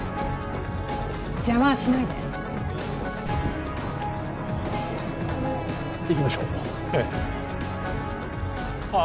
邪魔はしないで行きましょうええあっ